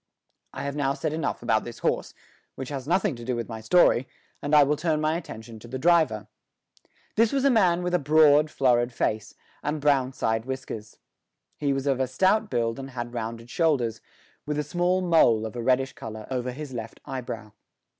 I have now said enough about this horse, which has nothing to do with my story, and I will turn my attention to the driver. This was a man with a broad, florid face and brown side whiskers. He was of a stout build and had rounded shoulders, with a small mole of a reddish colour over his left eyebrow.